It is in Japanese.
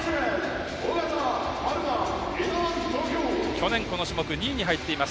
去年この種目２位に入っています